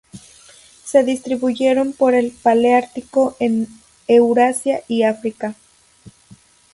Se distribuyen por el paleártico en Eurasia y África.